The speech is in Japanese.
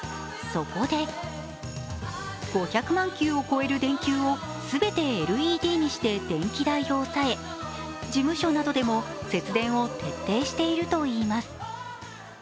そこで５００万球を超える電球を全てＬＥＤにして電気代を抑え事務所などでも節電を徹底しているといいます。